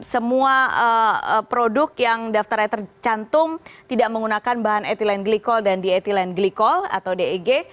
semua produk yang daftarnya tercantum tidak menggunakan bahan etilen glikol dan dietilen glikol atau deg